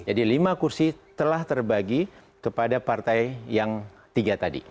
lima kursi telah terbagi kepada partai yang tiga tadi